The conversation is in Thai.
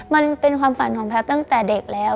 มันเป็นความฝันของแพทย์ตั้งแต่เด็กแล้ว